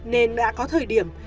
nên đã có thời điểm